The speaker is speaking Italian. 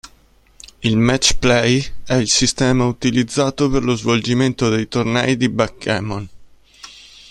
Il "match play" è il sistema utilizzato per lo svolgimento dei tornei di "backgammon".